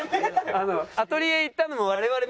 アトリエ行ったのも我々見てるから。